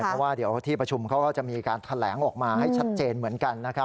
เพราะว่าเดี๋ยวที่ประชุมเขาก็จะมีการแถลงออกมาให้ชัดเจนเหมือนกันนะครับ